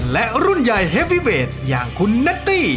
และรุ่นใหญ่เฮฟวิเวทอย่างคุณแนตตี้